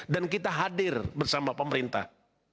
dan kita hadir bersama pemerintah